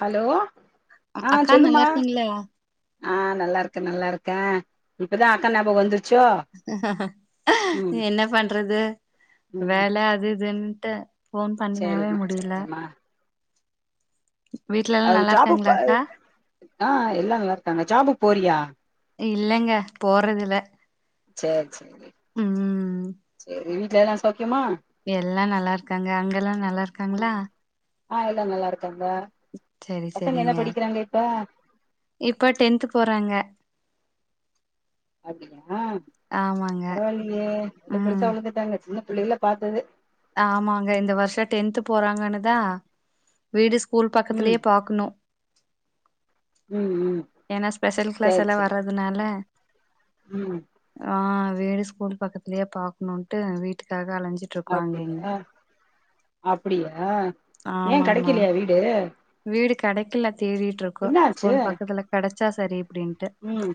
Hello அ ஆஹ் அக்கா நல்லா சொல்லுமா இருக்கீங்களா ஆஹ் நல்லா இருக்க நல்லா இருக்கே இப்பதா அக்கா ஞாபோ வந்து என்ன பண்றது ம் வேலை அது இதுன் த ஃபோன் பண்ணவே சேரிம்மா முடியல சேரிம்மா வீட்ல எல்லாம் நல்லா இருக்காங்களா அத்த ஆஹ் எல்லாம் நல்லா இருக்காங்க ஜாபு போறியா இல்லங்க போறதுல செரி செரி செரி செரி நா ச எல்லாம் நல்லா இருக்காங்க அங்கெல்லாம் நல்லா இருக்காங்களா ஆஹ் எல்ல நல்லா இருக் சரி சரிங்க இப்ப இப்ப டென்த் போறாங்க அப்டியா ஆஹ் ஆமாங்க பரவாயில்லையே எல்ல ம் பெருசா வழுந்துட்டாங்க சின்ன புள்ளேல்ல பாார்த்தது ஆமாங்க இந்த வருஷம் டென்த் போறாங்கன்னுதா வீடு ஸ்கூல் ம் பக்கத்தலயே பாக்கணும் ம் ம் ஏனா ஸ்பெஷல் கிளாஸ் எல்லாம் வர்றதுனால உம் ஆ வீடு ஸ்கூல் பக்கத்திலேயே பாக்கணும்ட்டு வீட்டுக்காக அலைஞ்ச அப்டியா அப்டியா ஏன் ஆமாமா கிடைக்கலையா வீடு வீடு கிடைக்கல தேடிட்டு இருக்கோம் என்ன ஆச்சு ஸ்கூல் பக்கத்துல கிடைச்ச சா சரி அப்டின்ட்டு ம்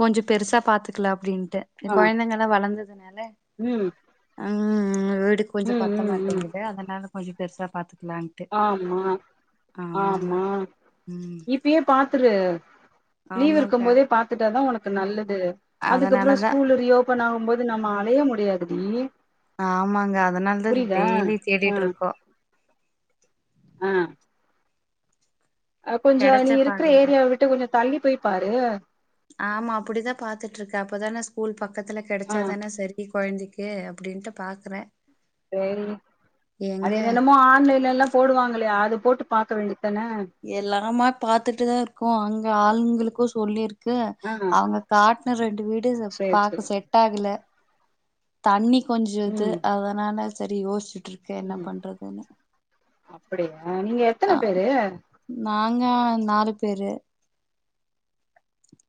கொஞ்சம் பெருசா பாத்துக்கல அப்டின் டு ஆ கொழந்தைங்க எல்லா வளர்ந்ததுனால ம். உம் வீடு கொஞ்சம் ம். பத்த ம். ம். மாட்டேங்குது அதனால கொஞ்சம் பெருசா பாத்து ஆமா ஆமாமா ஆமா ம் இப்பயே பாத்து ரு லீவ் ஆமாங்க இருக்கும் போதே பாத்துட்டா தான் உனக்கு நல்ல து அதுக்கப்புறோ அதனாலதா ஸ்கூலு ரீயோபன் ஆகும்போது அது நம்ம அலைய முடியாதுடி ஆமாங்க அதனால தா புரியுதா? டெய்லி தேடிட்ருக்கோ அ அ கொஞ்சோ நீ கெடச்ச இருக்குற பாடில்ல ஏரியாவ விட்டு கொஞ்சோ தள்ளி போய் பாரு ஆமா அப்படிதா பாத்துட்ருக்கே அப்பதானா ஸ்கூல் பக் க்கத்துல ஆ கெடச்சா தானே செரி கொழந்தைக் ஓகே அப்டின்ட்டு பாக்குறே செரி அது எங்க என்னென்னமோ ஆன்லைன்ல லா போடுவாங்களே அது போட்டு பாக்க வேண்டி எல்லாமோ பாத்துட்டு தா ருக்குகோ அங் ஆள்ன்களுக்கு சொல்லிருக் கு ஆ அவுங்க காட் ன் ரெண் வீடு ச சரி, சரி. பாக்க செட் ஆகல தண்ணி கொஞ்சு இது அதனால செரி யோசிச்சுட் உம் அப்படியா நீங்க எத்தன பேரு ந ங்க நாலு பேரு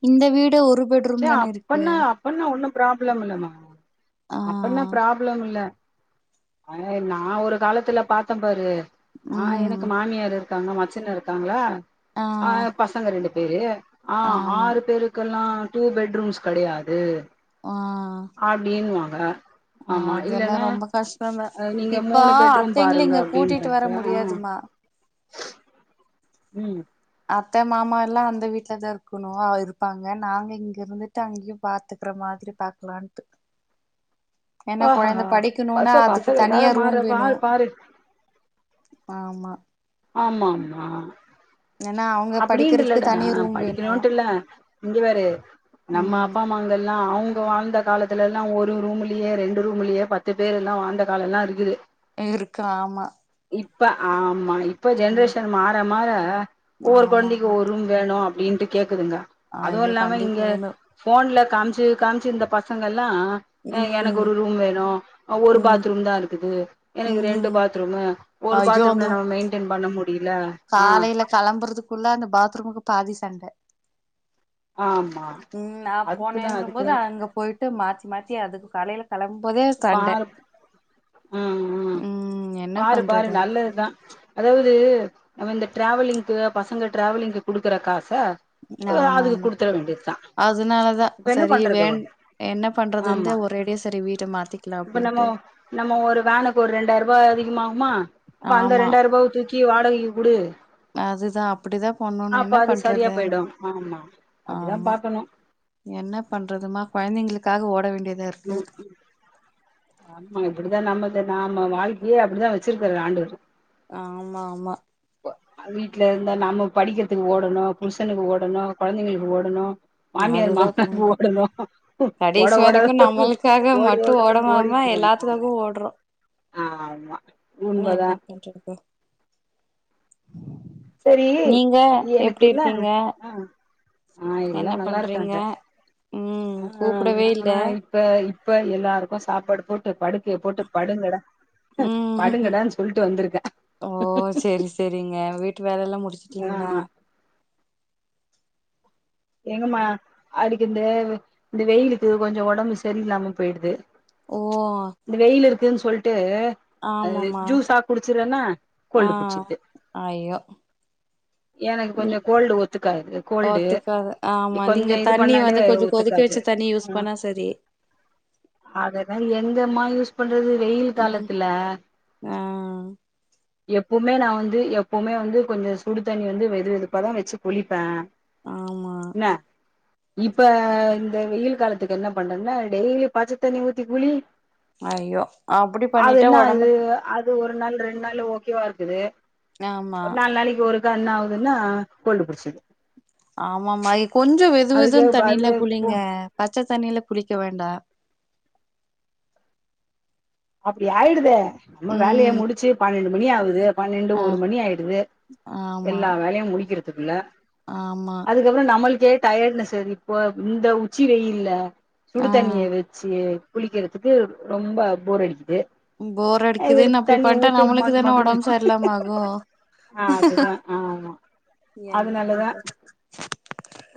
இந்த வீடு ஒரு பெட்ரூம் தானே இருக்கு அப்பன்னா அப்பன்னா ஒன்னும் ப்ராப்ளம் இல்லமா ஆ அப்பனா ப்ராப்ளம்மில்ல அ நா ஒரு காலத்துல பாத்தே பாரு நா ம் எனக்கு மாமியார் இருக் க்காங்கா மச்சின இருக்காங்ளா ஆ பசங்க ரெண்டு பே சேரி ஆ ஆமா ஆறு பேருக்கெல்லா டூ பெட்ரூம்ஸ் கடையாது ஆஹ ஆ [unintelligible] அதெல்லாம் ரொம்ப கஷ்டஙக அஹ் நீங்க இப்ப மூணு பெட்ரூம் அத்தைங்கள பாருங்க இங்க கூட்டிட்டு வர அப்டின்றாங்க ஆ முடியாதுமா ம் அத்தை மாமா எல்லாம் அந்த வீட்டுலதா இருக்கணு இருப்பாங்க நாங்க இங்க இருந்துட்டு அங்கேயும் பாத்துக்கற மாதிரி பாக்கலான்ட்டு ஏன்னா ஆஹ்ஹ ஆஹ கொழந்த படிக்கணுன்னா பசோ அதுக்கு பசஙகல கார தனியா மற ரூம் ப வேணு பாரு [unintelligible] ஆமா ஆமாம்மா ஏன்னா அவங்க அப்படின்னுட்டு படிக்கிறதுக்கு இல்லடா தனி ரூம் வேணு படிக்கணும்ட்டு இல்ல இங்க பாரு நம்ம ம் அப்பா அம்மாங்லாம் அவங்க வாழ்ந்த காலத்துல எல்லாம் ஒரு ரூம்லயே ரெண்டு ரூம்லயே பத்து பேரெல்லாம் வாழ்ந்த காலமெலாம் இருக்குது இருக்கு ஆமா இப்ப ஆமா இப்ப ம் ஜென்ரேஷன் மாற மாற ஒவ்வொரு கொழந்தைக்கு ஆமாமா ஒரு ரூம் வேணும் வீண்ட்டு கேக் சொல்லுங்க அதுவும் ஐயோ இல்லாம இங்க கண்டிப்பா வேணு போன்ல காமிச்சு காமிச்சு இந்த பசங்கள்ளா எனக்கு ம் ஒரு ரூம் வேணும் ஒரு ம் பாத்ரூம் தான் இருக்குது எனக்கு ரெண்டு ம் பாத்ரூம் ஒரு ஐயோ அந்த பாத்ரூம்ல நம்ம மெயின்டெண் பண்ண முடிய காலையில கிளம்புறதுக் ள்ளா அந்த பாத்ரூமுக்கு பாதி சண்டை ஆமா ம் நான் அதுக்குதா போனேங்கும்போது அதுக்குதா அங்க போயிட்டு மாத்தி மாத்தி அதுக்கு காலைல பாரு ம் ம் என்ன பாரு பாரு பண்றது நல்லதுதான் அதாவது ந இந்த டிராவலிங்கு பசங்க டிராவலிங்க்கு குடுக்குற காச ஆமா அதுக்கு ஆமா குடுத்துற வேண்டியதுதா அதனாலதா இப்ப என்ன சரி பண்றது வேண் என்ன ஆமா பண்றதுந்த ஒரேடியே சரி வீட்ட மாத்தி இப்ப நம்மோ நம்ம ஒரு வேனுக்கு ஒரு ரெண்டாயிரம் ரூபாய் அதிகமாகுமா அப்ப அந்த ரெண்டாயிரம் ரூபாவ தூக் க்கி வாடகைக்கு குடு அதுதான் அப்படிதான் பண்ணணும் அப்ப என்ன அது சரியா பண்றது போயிடும் ஆமா அப்டிதா ஆமா பாக்கணு என்ன பண்றதுமா கொழந்தைங்களுக்காக ஓட் வேதாருக்கு ம் ஆமா இப்படித்தான் நம்மத நாம வாழ்க்கையே அப்டிதான் வச்சிருக்காரு ஆண்டவர் ஆமா ஆமா வீட்ல இருந்தா நாம்ம படிக்கிறதுக்கு ஓடணும் புருஷனுக்கு ஓடணும் கொழந்தைங்களுக்கு ஓடணும் மாமியார் அதுதா பண்ணு மாமனார்க்கு ஓடணும் ஓட கடைசி ஓட வரைக்கு நம்மளுக்காக ஓடி மட்டு ஓடணும் ஓடி ஓடாம எல்லாத்துக்காகவு ஓடறோ ஆமா ஏ உண்மதா என்ன பண்றது சரி நீங்க எனக்கு எப்டி இன்ன இருக்கீங்க ஆஹ் ஆஹ் எல்லா என்ன பண்றீங்க நல்லாருக்காங்க ம் ஆஹ் கூப்டவே இல்ல நானா இப்ப இப்ப எல்லாருக்கு சாப்பாடு போட் ட்டு படுக்கய போட்டு படுங்கடா உம் படுங்கடான்னு சொல்ட்டு வந்திருக்கே ஓ செரி செரிங்க வீட்டு வேல எல்லா முடிச் சிட்டிங்ளா ஆமா எங்கமா அடிக்கு இந்து இந்த வெயிலுக்கு கொஞ்ச ஒடம்பு சரியில்லாம போயிடுது ஓ இந்த வெயில் இருக்குன் சொல்ட் ட்டு அ ஆமாமா ஜூஸா குடிச்சுறன்னா ஆ கோல்டு புட்சிக்து ஐயோ எனக்கு நீ கொஞ்சம் கோல்டு ஒத்துக்காது கோல்டு ஒத்துக்காது ஆமா நீங்க கொஞ்சோ இது தண்ணி பண்ணாலே வந்து கொஞ்சம் கொதிக்க ஒத்துக்காது வச்ச தண்ணி யூஸ் ஆ பண்ணா சரி எங்க மா யூஸ் பண் றது வெயில் ம் காலத்துல ஆ எப்பவுமே நா வந்து வந்து எப்பவுமே வந்து கொஞ்ச சுடு தண்ணி வந்து வெது வெதுப்பாதா வச்சு குளிப்பேன் ஆமா என்ன இப்ப இந்த வெயில் காலத்துக்கு என்ன பண்ணன்னு டெய்லி பச்சத்தண்ணி ஊத்தி குளி ஐயோ அப்படி அது பண்ணிட்டா என்ன ஒடம்பு ஆகுது அது ஒரு நாள் ரெண்டு நாள்ல ஓகேவா இருக்குது ஆமா தா என்னாவதுனா கோல்டு புடிச்சிது ஆம் ஆமாமா ஏ கொஞ்சம் வெதுவெதுன் அது தண்ணில குளிங்க பச் பச்ச தண்ணில குளிக்க வேண்டா அப்டி ஆயிடுதே நம்ம வேலைய ம் முடிச்சு பண்ணன்டு மணி ஆவுது பன்னெண்டு ஆ ஒரு மணி ஆயிடுது ஆமா எல்லா வேலையு முடிக்கிற துக்குள்ள ஆமா அதுக்கப்றோ நம்மள் கே டயட்னஸ் வேற இப்ப இந்த உச்சி வெயில்ல சுடு ஆ தண்ணிய வச்சி குளிக்கிறதுக்கு ரொம்ப போர் அடிக்குது போர் அடிக்குதுன்னு எடுத்து அப்டி தண்ணி பண்டா ஊத்து நம்ளுக்கு மக் தானே மக்குன்னு உடம்பு சரிலாம ஆகு, ஆ அதுதா ஆமா என்ன அதனாலதா பண்றது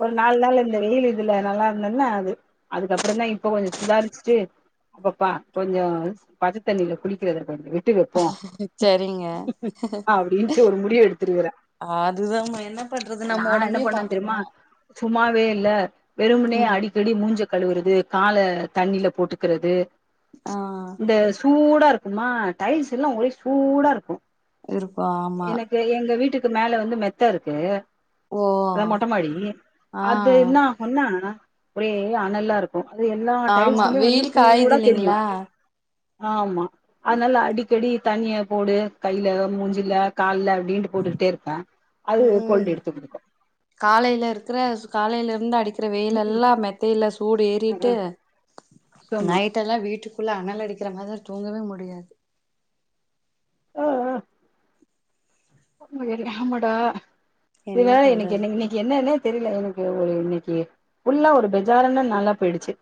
ஒரு நாலு நாள் இந்த வெயில் இதுல நல்லா இருந்தேன்னா அது அதுக்கப்றோ தா இப்போ கொஞ்சோ சுதாரிச்சுட்டு அப்பப்பா கொஞ்சோ ஒன்ஸ் பச்ச தண்ணியில குளிக்கிறது வந்து ட்டுக்கு வெப்போ சரிங்க அப்டின்ட்டு ஒரு முடிவு எடுத்துருக்குற அதுதான்மா என்ன பண்றது நா நம்ம என்ன ஒடம்பையு பண்ணுவ தெரியுமா பாத்துக்கணு சும்மாவே இல்ல வெறும்முன்னே ம் அடிக்கடி மூஞ்ச கழுவுறது கால தண்ணில போட்டுக்குறது ஆ சூடா இருக்குமா டைல்ஸ் எல்லா ஒரே சூடா இருக்கு. இருக்கு ஆமா எனக்கு எங்க வீட்டுக் க்கு மேல வந்து மெத்த இருக்கு ஓ அதா மொட்டமாடி ஆ அது என்னாகுன்னா ஒரே அனல்லா இருக்கும் அது எல்லா ஆமா டைல்ஸூமே வந்து வெயில் காயுது சூடா தெரியு இல்லைங்களா ஆமா அனல் அடிக்கடி தண்ணிய போடு கையில, மூஞ்சில, கால்ல அப்டின்ட்டு போட்டுக்கிட்டே இருப்பே அது கோல்டு உம் எடுத்து குடுக்கு காலையில இருக்குற ஸ் காலையில இருந்து அடிக்கிற வெயில் ம்ஹும். எல்லா மெத்தையில சூடு அ ஆ ஏறிட்டு சும்மா நைட் எல்லா வீட் ட்டுக்குள்ள அனல் அடிக்கிற மாதிரி தூங்கவே முடியாது ஆஹ் ஆஹ் உன்மையிலே ஆமாடா என்ன இதுனால எனக்கு பண்றது என்னங் இன்னைக்கி என்னனே தெரில எனக்கு ஒரு இன்னைக்கி ஃபுல்லா ஒரு பெஜாரன்ன நாளா போயிடுச்சு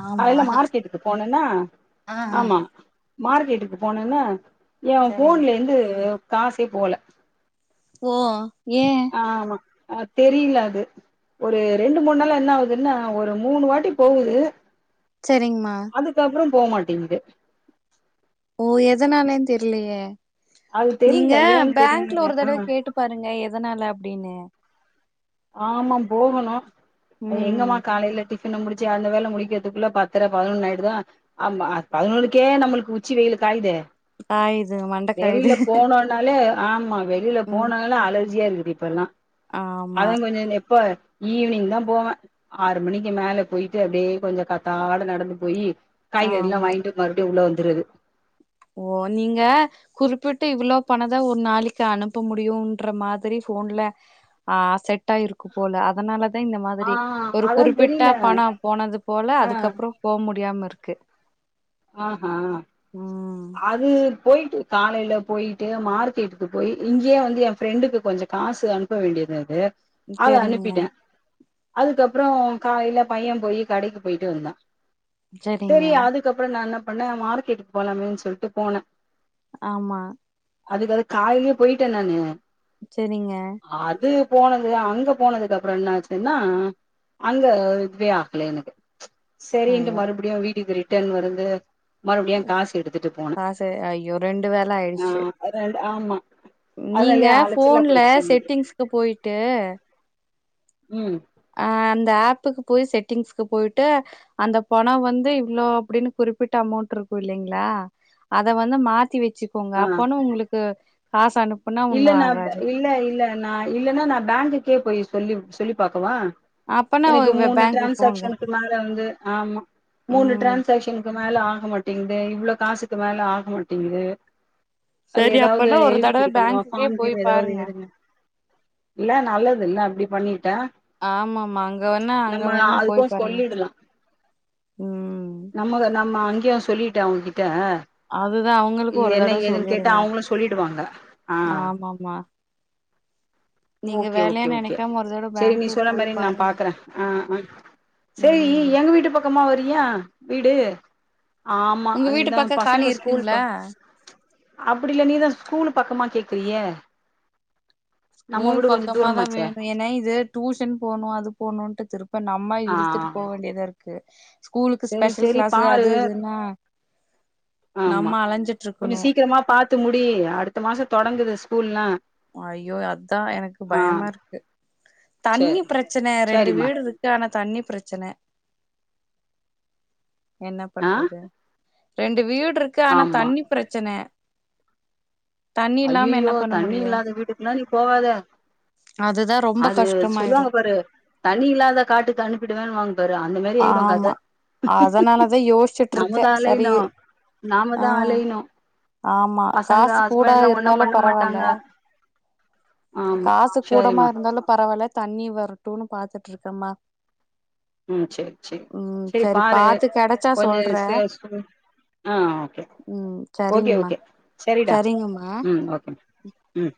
ஆமா காலைல மார்க்கெட்டுக்கு போனன்னா ஆ ஆமா மார்கெட்டுக்கு போனல்ல ஏன் சரிங்க ஃபோன்லேந்து காஸே போல ஓ ஏ ஆமா அஹ் தெரில அது ஒரு ரெண்டு மூணு நாளா என்ன ஆவுதுன்னா ஒரு மூணு வாட்டி போவுது சரிங்மா போமாட்டிங்து ஓ எதனாலேன் தெர்லயே அது நீங்க தெரியல ஏன்னு பேங்க்ல தெரியல ஒரு ஆ தடவ கேட்டு பாருங்க எ தனால அப்டின்னு ஆமாம் போகணு அது ம் எங்கமா காலையில டிஃப் பன்னா முடிச்சி அந்த வேலை முடிக்கிறதுக்குள்ள பத்திர பதினொன்னு ஆயுடுதா ஆமா பதினொன்னுக்கு நம்மளுக்கு உச்சி வெயில் காயுதே அ இது மண்ட வெளியில காயுது போனோனாலே ஆமா வெளியில ம் போனாலே அல ர்ஜியா இருக்குது இப்பெல்லா ஆமா அதா கொஞ்சோ இங்க எப்போ ஈவினிங் தா போவே ஆறு மணிக்கு மேல போயிட்டு அப்டே கொஞ்சோ காத்தால நடந்து போயி காய்கறில்லா ஆமா வாங்கிட்டு மறுபடியு உள்ள வந் [unintelligible] ஓ நீங்க குறிப்பிட்டு இவ்ளோ பணதா ஒரு நாளைக்கு அனுப்ப முடியும்ன்ற மாதிரி போன்ல ஆஹ் செட் ட்டாயிருக்குப்போல அதனாலதா இந்த ஆ மாதிரி ஒரு அதா குறிப்பிட்டா தெரியல பணோ போனது போல ஆ அதுக்கப்புறோ போக முடியாம இருக்கு க்கு அஹா அது போயிட்டு காலையில போயிட்டு மார்க்கெட்டுக்கு போய் இங்கேயே வந்து எ ஃப்ரெண்டுக்கு கொஞ்சோ காசு அனுப்ப வேண்டியது அது செரிங்க அதுக்கப்புறோ காயில பையே போய் கடைக்கு போயிட்டு வந்தா செரிங்க அப்புறே நா என்ன பண்ணே மார்கெட்டுக்கு போலாமே சொல்லிட்டு போனே ஆமா அதுக்கு அது காலையிலயே போயிட்டே நானு செரிங்க அது போன அங்க போனதுக்கு அப்புறோ என்னச்சுன்னா அங்க இதுவே ஆகல எனக்கு சரின்ட்டு ஐயோ மறுபடியு வீட்டுக்கு திரு ரிட்டன் வருது மறுபடியு காசு எடுத்துட்டு போனே காசு ஐயோ ரெண்டு வேல ஆயிடுச்சு ஆஹ் அத ஆமா நீங்க அதனாலயே அலைச்சலா ஃபோன்ல போயிடுச்சு செட்டிங்ஸ்க்கு போயிட்டு உம் அஹ் அந்த ஆப்புக்கு போய் செட்டிங்ஸ்க்கு போயிட்டு அந்த பணோ வந்து இவ்ளோ அப்டின்னு குறிப்பிட்டு அமௌண்ட்ருக்கு இல்லைங்களா அத வந்து மாத்தி வெச் சுக்கோங்க அப்பனா உங்களுக்கு க்கு காச அனுப் இல்லன்னா ப்பா இல்ல இல்ல நா இல்லன்னா நா பேங்க்குக்கே போயிர் சொல்லி சொல்லி பாக்கவா அப்பனா எனக்கு மூணு பேங்க்கு போங்க டிரான்செக்ஷனுக்கு மேல வந்து ஆமா மூணு ம் டிரான்செக்ஷனுக்கு மேல ஆக மாட்டேங்குது இவ்வளவு காசுக்கு மேல ஆக மாட்டேங்குது அது சரி ஏதாவது அப்பனா ஒரு தடவை [unintelligible] ஏதாவது எழுதுங்க இல்ல நல்லது இல்ல அப்படி பண்ணிட்டா ஆமாமா அங்க வேண்ணா அங்க நம்ம வேண்ணா போய் அதுக்கு பாருங்க சொல்லிடலா உம் யா சொல்லிட்டேன் அவங்க கிட் அவங்களுக்கு இத ஒரு என்ன தடவ ஏதுன்னு கேட்டா சொல்லிருங்க அவங்களும் சொல்லிடுவாங்க ஆமாமா நீங்க ஓகே வேலையா ஓகே ஓகே நெனைக்காம ஒரு தடவ சரி நீ பேங்க்கு சொன்ன போய் மாறி நான் பாருங்க பாக்குறேன் ஆஹ் ஆஹ் சரி ம் எங்க வீட்டு பக்கமா வறியா வீடு ஆமா உங்க வீட்டு பக்க நீதான் காலி பசங்க ஸ்கூல் இருக்குங்களா பா அப்படி இல்ல நீதான் ஸ்கூல் பக்கமா கேக்கிரியே ஸ்கூல் பக்கமா தான் வேணும் ஏன்னா இது டூஷன் போணும் அது போணும்ட்டு திருப்ப நம் சும்மா இழுத்துட்டு போவவேண்டியதா இருக்கு. க்கு சரி சரி பாரு நம்ம ஆமா அலைஞ்சிட்டு கொஞ்சம் இருக்கணு சீக்கிரமா பார்த்து முடி அடுத்த மாசம் தொடங்குது ஸ்கூல்னா ஐயோ அதான் எனக்கு பயமா இருக்கு செ தண்ணி பிரச்சனை ரெண்டு செரிம்மா வீடு இருக்கு ஆன தண்ணி பிரச்சனை என்ன ஆ பண்றது ரெண்டு வீடு இருக்கு ஆனா ஆமா தண்ணி பிரச்சனை தண்ணி இல்லாம என்ன பண்ண முடியும் அந்த வீட்டுக்குள்ள நீ போகாத அதுதா ரொம்ப அது கஷ்டமாயிடு சொல்லுவாங்க பாரு தண்ணி இல்லாத காட்டுக்கு அனுப்பிடுவேன்னு வாங்க பாரு அந்த மாரி ஆயிடு கத ஆமா அதனாலதா யோசிச்சுட்டு நாம இருக்கே தா சரி அலையணு நாம தா ஆஹ் அலையணு ஆமா பசங்க காசு போட் ட ஹஸ்பண்ட்லா ஒன்னு இருந்தாலும் பண்ண பரவால்ல மாட்டாங்க ஆமா காசு கூடமா சரிம்மா இருந்தாலும் பர பரவால்ல தண்ணி வரட்டுனு பாத்துட்டுருக்கமா ம் சேர் சேர் சேரி பாரு கெடச்சா சொல்றே கொஞ்சொ ஆ ஓகே ம் ஓகே சரிங்ம்மா ஓகே செரிடா சரிங்கம்மா ம் ஓகே ம்